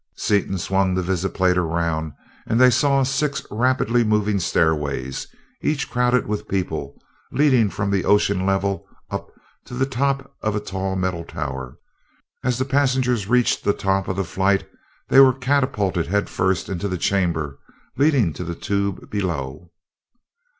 Seaton swung the visiplate around and they saw six rapidly moving stairways, each crowded with people, leading from the ocean level up to the top of a tall metal tower. As the passengers reached the top of the flight they were catapulted head first into the chamber leading to the tube below.